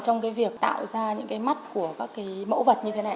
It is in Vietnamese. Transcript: trong việc tạo ra những mắt của các mẫu vật như thế này